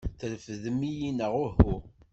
Trefdem-iyi neɣ uhu?